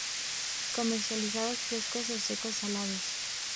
Comercializados frescos o secos-salados.